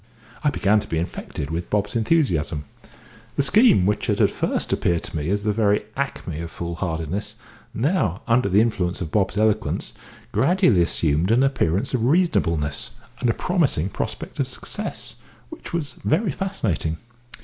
I began to be infected with Bob's enthusiasm. The scheme, which had at first appeared to me as the very acme of fool hardiness, now, under the influence of Bob's eloquence, gradually assumed an appearance of reasonableness, and a promising prospect of success, which was very fascinating.